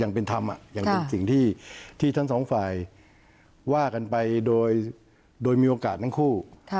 อย่างเป็นธรรมอย่างเป็นสิ่งที่ทั้งสองฝ่ายว่ากันไปโดยมีโอกาสทั้งคู่